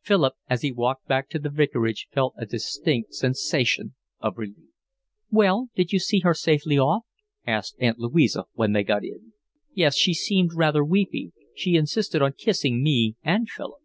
Philip, as he walked back to the vicarage, felt a distinct sensation of relief. "Well, did you see her safely off?" asked Aunt Louisa, when they got in. "Yes, she seemed rather weepy. She insisted on kissing me and Philip."